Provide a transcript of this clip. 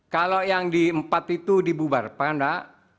kalau yang di empat itu dibubar pak enggak